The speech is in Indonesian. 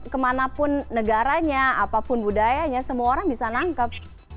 kemanapun negaranya apapun budayanya semua orang bisa nangkep